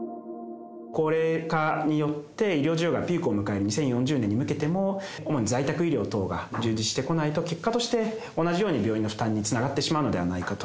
高齢化によって、医療需要がピークを迎える２０４０年に向けても、主に在宅医療等が従事してこないと、結果として、同じように病院の負担につながってしまうのではないかと。